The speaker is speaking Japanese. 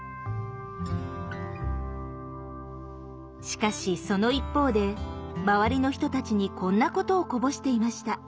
しかしその一方で周りの人たちにこんなことをこぼしていました。